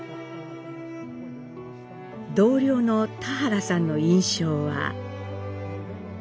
同僚の田原さんの印象は。